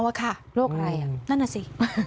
โรคอะไรนั่นสิ